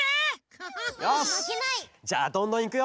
よしじゃあどんどんいくよ！